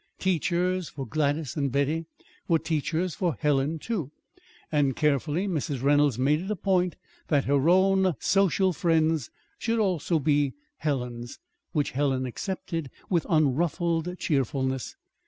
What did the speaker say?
Teachers for Gladys and Betty were teachers for Helen, too; and carefully Mrs. Reynolds made it a point that her own social friends should also be Helen's which Helen accepted with unruffled cheerfulness.